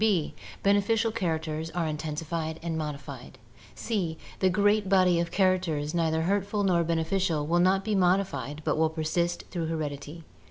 b. Beneficial characters are intensified and modified. c. The great body of characters neither hurtful nor beneficial will not be modified but will persist through heredity.